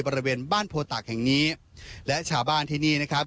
บริเวณบ้านโพตากแห่งนี้และชาวบ้านที่นี่นะครับ